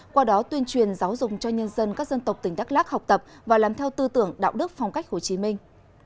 qua đó tuyên truyền giáo dục cho nhân dân các dân tộc tỉnh đắk lắc học tập và làm theo tư tưởng đạo đức phong cách hồ chí minh